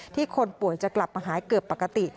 คนป่วยจะกลับมาหายเกือบปกติ